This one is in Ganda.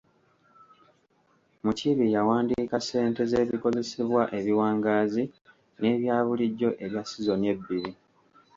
Mukiibi yawandiika ssente z’ebikozesebwa ebiwangaazi n’ebyabulijjo ebya sizoni ebbiri.